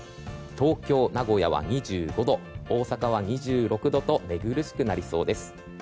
東京、名古屋は２５度大阪は２６度と寝苦しくなりそうです。